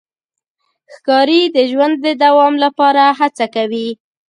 ښکاري د ژوند د دوام لپاره هڅه کوي.